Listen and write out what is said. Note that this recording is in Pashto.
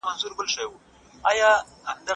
مدیتیشن د ذهن د ازادۍ لاره ده.